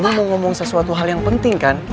lu mau ngomong sesuatu hal yang penting kan